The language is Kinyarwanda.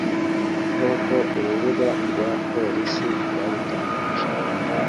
nk’uko urubuga rwa Polisi rwabitangaje